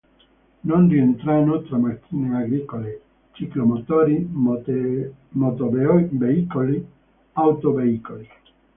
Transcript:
Non rientrano tra macchine agricole: ciclomotori, motoveicoli, autoveicoli.